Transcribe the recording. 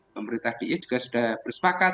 pemerintah bi juga sudah bersepakat